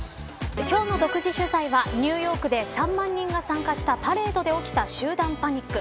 今日の独自取材はニューヨークで３万人が参加したパレードで起きた集団パニック。